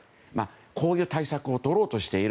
こういう対策を取ろうとしている。